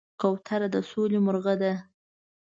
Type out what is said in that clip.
کوتره د سولې مرغه ده.